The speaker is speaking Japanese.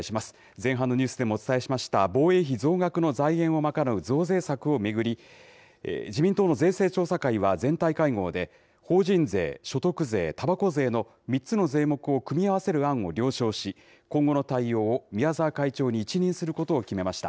前半のニュースでもお伝えしました、防衛費増額の財源を賄う増税策を巡り、自民党の税制調査会は全体会合で、法人税、所得税、たばこ税の３つの税目を組み合わせる案を了承し、今後の対応を宮沢会長に一任することを決めました。